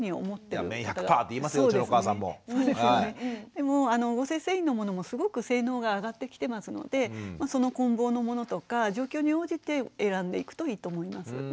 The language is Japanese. でも合成繊維のものもすごく性能が上がってきてますのでその混紡のものとか状況に応じて選んでいくといいと思います。